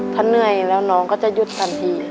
ถ้าเหนื่อยแล้วน้องก็จะหยุดทันที